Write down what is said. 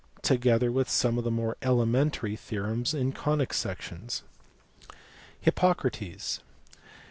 together with some of the more elementary theorems in conic sections. Hippocrates.